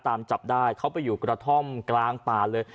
ตามจับได้เขาไปอยู่กระท่อมกลางป่าเลย